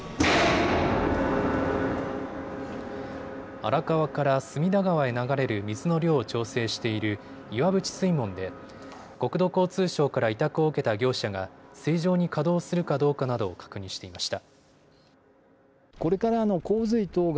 荒川から隅田川へ流れる水の量を調整している岩淵水門で国土交通省から委託を受けた業者が正常に稼働するかどうかなどを確認していました。